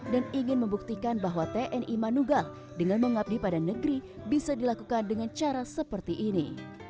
dan ingin membuktikan bahwa tni manugat dengan mengabdi pada negeri bisa dilakukan dengan cara seperti ini